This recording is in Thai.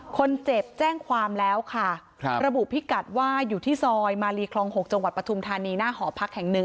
แจ้งความแล้วค่ะครับระบุพิกัดว่าอยู่ที่ซอยมาลีคลอง๖จังหวัดปฐุมธานีหน้าหอพักแห่งหนึ่ง